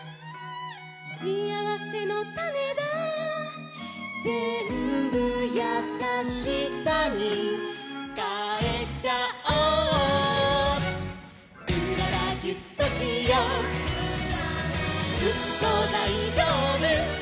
「しあわせのたねだ」「ぜんぶやさしさにかえちゃおう」「うららギュッとしよう」「ずっとだいじょうぶ」